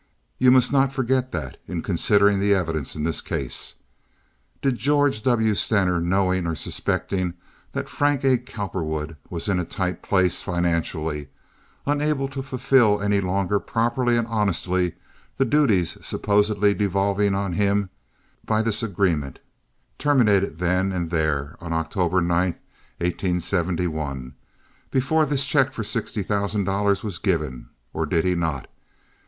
You must not forget that in considering the evidence in this case. Did George W. Stener, knowing or suspecting that Frank A. Cowperwood was in a tight place financially, unable to fulfill any longer properly and honestly the duties supposedly devolving on him by this agreement, terminate it then and there on October 9, 1871, before this check for sixty thousand dollars was given, or did he not?